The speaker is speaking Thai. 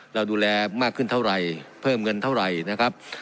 เราดูแลมากขึ้นเท่าไหร่เพิ่มเงินเท่าไหร่นะครับ